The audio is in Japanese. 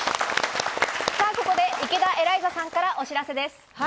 ここで、池田エライザさんからお知らせです。